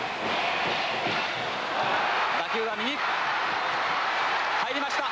打球は右入りました。